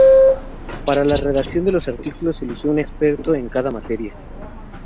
Para la redacción de los artículos, se eligió un experto en cada materia.